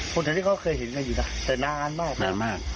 คนแถวนี้เขาเคยเห็นกันอยู่ล่ะแต่นานมาก